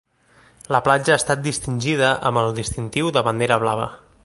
La platja ha estat distingida amb el distintiu de Bandera Blava.